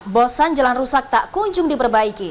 bosan jalan rusak tak kunjung diperbaiki